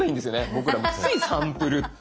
僕らもついサンプルって。